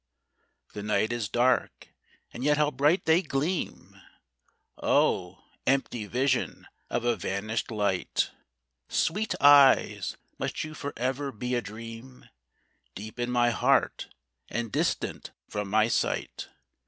The night is dark, and yet how bright they gleam! Oh! empty vision of a vanish'd light! Sweet eyes! must you for ever be a dream Deep in my heart, and distant from my sight?